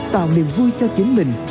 tạo niềm vui cho chính mình